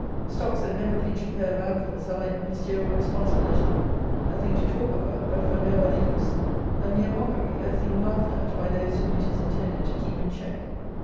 Stocks that never pinch a pair of ankles are like Ministerial responsibility; a thing to talk about, but for no other use; a mere mockery; a thing laughed at by those whom it is intended to keep in check.